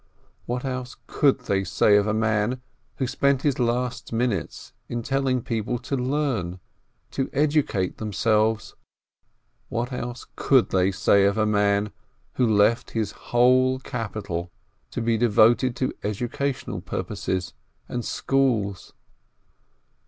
What else could they say of a man who spent his last minutes in telling people to learn, to educate themselves? What else could they say of a man who left his whole capital to be devoted to educational purposes and schools?